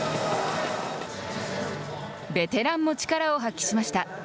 ベテランも力を発揮しました。